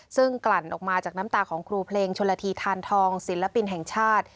ซึ่งกลั่นออกมาจากน้ำตาของครูเพลงชนละทีทานทองศิลปินแห่งชาติ